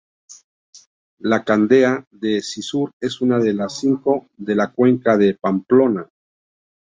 La Cendea de Cizur es una de las cinco de la Cuenca de Pamplona.